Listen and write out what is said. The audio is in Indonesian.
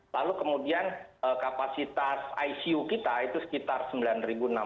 lalu kemudian kapasitas icu kita itu sekitar rp sembilan enam ratus